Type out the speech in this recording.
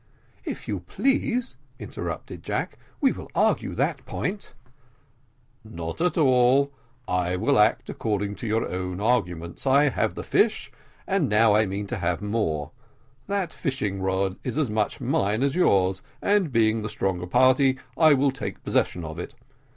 "If you please," interrupted Jack, "we will argue that point " "Not at all; I will act according to your own arguments I have the fish, but I now mean to have more that fishing rod is as much mine as yours, and being the stronger party, I will take possession of it.